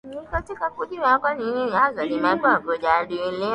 na kutaka kujua nini haswa kimekuwa kikijadiliwa